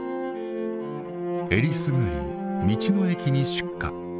えりすぐり道の駅に出荷。